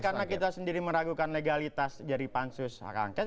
karena kita sendiri meragukan legalitas dari pansus angket